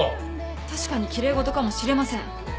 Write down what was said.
確かに奇麗事かもしれません。